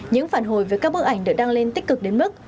những phản hồi với các bức ảnh được đăng lên tích cực đến mức